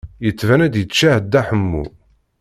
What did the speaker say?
Yettban-d yeččeḥ Dda Ḥemmu.